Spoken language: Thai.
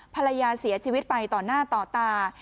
ภรรยาเสียชีวิตไปต่อหน้าต่อตา